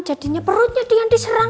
jadinya perutnya dia yang diserang